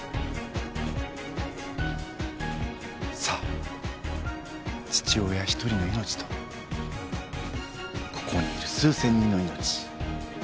さあ父親一人の命とここにいる数千人の命。